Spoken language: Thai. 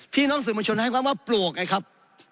พี่น้องสื่อมวลชนให้ความว่าปลวกไงครับ